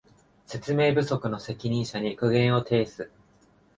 説明不足の責任者に苦言を呈す